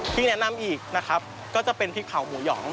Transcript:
แนะนำอีกนะครับก็จะเป็นพริกเผาหมูหยอง